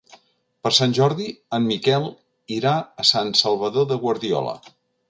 Per Sant Jordi en Miquel irà a Sant Salvador de Guardiola.